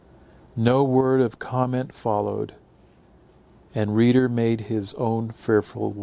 No word of comment followed; each reader made his own fearful one.